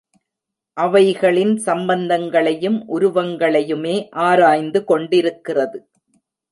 அவைகளின் சம்பந்தங்களையும், உருவங்களையுமே ஆராய்ந்து கொண்டிருக்கிறது.